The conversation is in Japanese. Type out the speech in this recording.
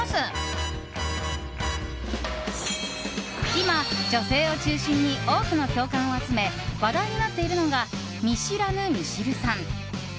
今、女性を中心に多くの共感を集め話題になっているのが見知らぬミシルさん。